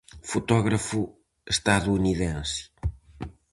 Fotógrafo estadounidense.